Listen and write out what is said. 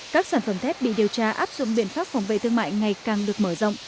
các sản phẩm thép bị điều tra áp dụng biện pháp phòng vệ thương mại ngày càng được mở rộng